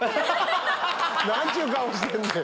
何ちゅう顔してんねん！